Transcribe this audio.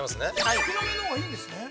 ◆少なめのほうがいいんですね。